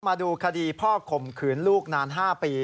มาดูคดีพ่อข่มขืนลูกนาน๕ปี